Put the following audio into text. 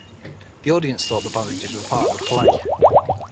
The audience thought the bandages were part of the play.